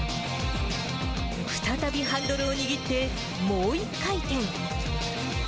再びハンドルを握って、もう１回転。